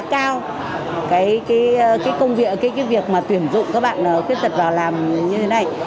cái công việc cái việc mà tuyển dụng các bạn khuyết tật vào làm như thế này